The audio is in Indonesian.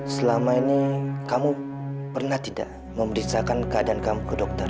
selama ini kamu pernah tidak memeriksakan keadaan kamu ke dokter